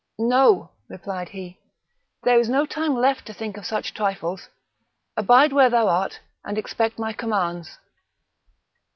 "No!" replied he, "there is no time left to think of such trifles; abide where thou art, and expect my commands."